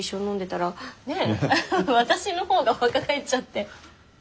私のほうが若返っちゃって。